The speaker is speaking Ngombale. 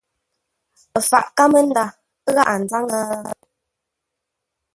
Ə faʼ kámə́nda gháʼa nzáŋə́?